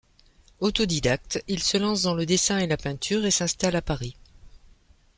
Autodidacte, il se lance dans le dessin et la peinture et s'installe à Paris.